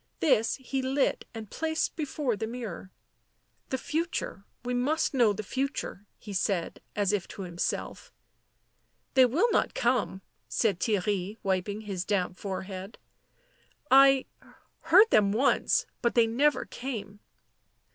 This he lit and placed before the mirror. " The future — we must know the future," he said, as if to himself. " They will not come," said Theirry, wiping his damp forehead. " I — heard them once — but they never came."